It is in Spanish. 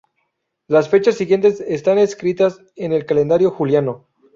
Las fechas siguientes están escritas en el calendario juliano.